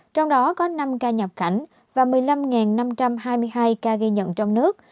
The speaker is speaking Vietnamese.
trong đó có năm ca nhập cảnh và một mươi năm năm trăm hai mươi hai ca ghi nhận trong nước